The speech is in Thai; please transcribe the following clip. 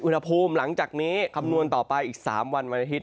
อุณหภูมิหลังจากนี้คำนวณต่อไปอีก๓วันวันอาทิตย